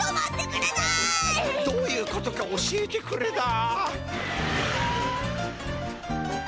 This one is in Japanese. どういうことか教えてくれだ。